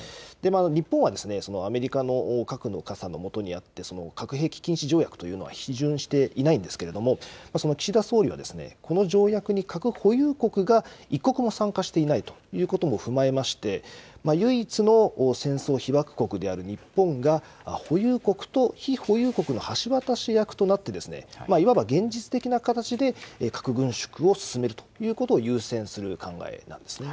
日本はアメリカの核の傘の下にあって、核兵器禁止条約というのは批准していないんですけれども、その岸田総理がこの条約に核保有国が一国も参加していないということも踏まえまして、唯一の戦争被爆国である日本が保有国と非保有国の橋渡し役となって、いわば現実的な形で核軍縮を進めるということを優先する考えなんですね。